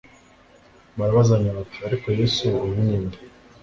Barabazanya bati : Ariko Yesu uyu ni nde?